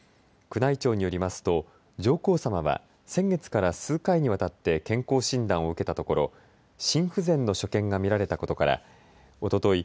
宮内庁によりますと上皇さまは先月から数回にわたって健康診断を受けたところ心不全の所見が見られたことからおととい